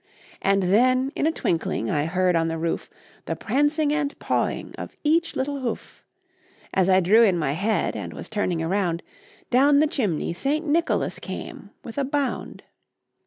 And then in a twinkling I heard on the roof, The prancing and pawing of each little hoof. As I drew in my head, and was turning around, Down the chimney St. Nicholas came with a bound.